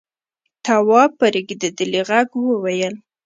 تواب په رېږديدلي غږ وويل: